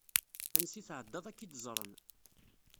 Ansi tɛeddaḍ ad k-id-ẓren.